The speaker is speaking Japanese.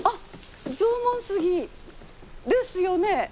縄文杉。ですよね？